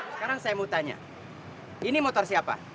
sekarang saya mau tanya ini motor siapa